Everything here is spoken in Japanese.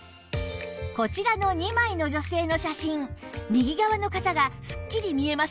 こちらの２枚の女性の写真右側の方がスッキリ見えませんか？